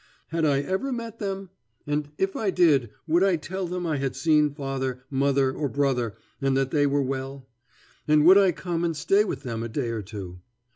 Had I ever met them? and, if I did, would I tell them I had seen father, mother, or brother, and that they were well? And would I come and stay with them a day or two?